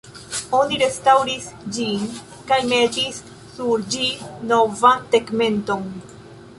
Oni restaŭris ĝin kaj metis sur ĝi novan tegmenton.